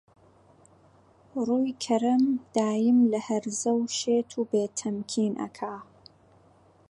ڕووی کەرەم دایم لە هەرزە و شێت و بێ تەمکین ئەکا